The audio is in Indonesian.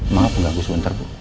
maafin gak aku sebentar bu